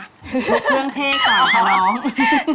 เรื่องเท่ค่ะน้อง